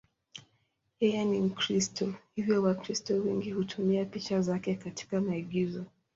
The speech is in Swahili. Yeye ni Mkristo, hivyo Wakristo wengi hutumia picha zake katika maigizo.